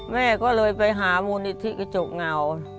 แม่ก็เลยไปหามูลนิธิกระจกเงา